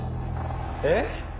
えっ？